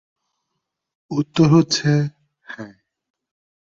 উত্তর হচ্ছে হ্যাঁ!